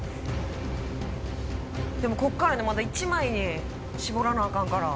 でもこっからねまだ１枚に絞らなあかんから。